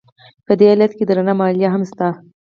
په دې حالت کې درنه مالیه هم شته